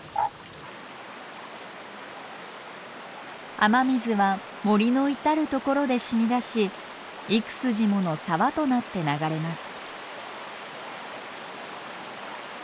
雨水は森の至る所で染み出し幾筋もの沢となって流れます。